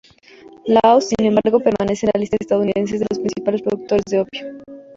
Laos, sin embargo, permanece en la lista estadounidense de los principales productores de opio.